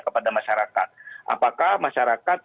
kepada masyarakat apakah masyarakat